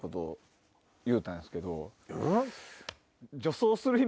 えっ？